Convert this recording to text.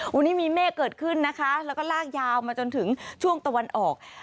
วันนี้มีเมฆเกิดขึ้นนะคะแล้วก็ลากยาวมาจนถึงช่วงตะวันออก